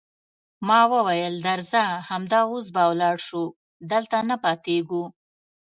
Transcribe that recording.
ما وویل: درځه، همدا اوس به ولاړ شو، دلته نه پاتېږو.